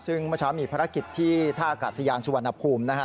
ซึ่งเมื่อเช้ามีภารกิจที่ท่าอากาศยานสุวรรณภูมินะฮะ